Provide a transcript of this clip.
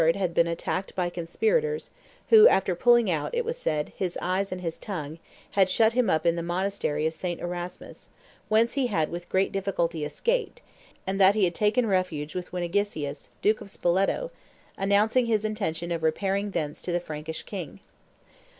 had been attacked by conspirators, who, after pulling out, it was said, his eyes and his tongue, had shut him up in the monastery of St. Erasmus, whence he had with great difficulty escaped, and that he had taken refuge with Winigisius, duke of Spoleto, announcing his intention of repairing thence to the Frankish king.